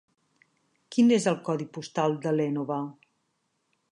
Quin és el codi postal de l'Énova?